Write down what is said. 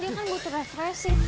dia kan butuh refreshing